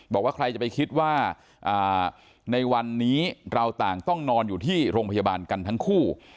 บอกว่าใครจะไปคิดว่าในวันนี้เราต่างต้องนอนอยู่ที่โรงพยาบาลกันทั้งคู่